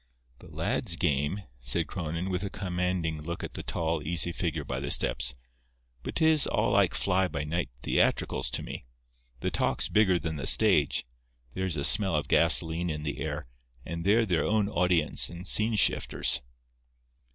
"The lad's game," said Cronin, with a commending look at the tall, easy figure by the steps. "But 'tis all like fly by night theatricals to me. The talk's bigger than the stage; there's a smell of gasoline in the air, and they're their own audience and scene shifters."